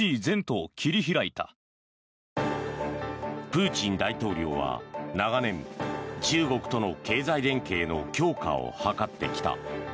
プーチン大統領は長年、中国との経済連携の強化を図ってきた。